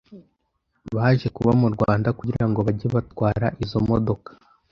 baje kuba mu Rwanda kugira ngo bage batwara izo modoka